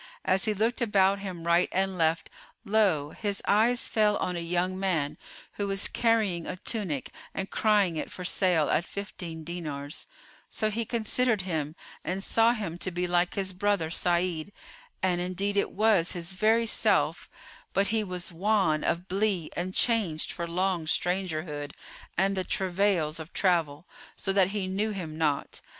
As he looked about him right and left, lo! his eyes fell on a young man, who was carrying a tunic and crying it for sale at fifteen dinars: so he considered him and saw him to be like his brother Sa'id; and indeed it was his very self, but he was wan of blee and changed for long strangerhood and the travails of travel, so that he knew him not.